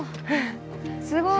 すごい。